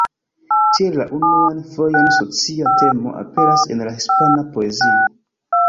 Tiel la unuan fojon socia temo aperas en la hispana poezio.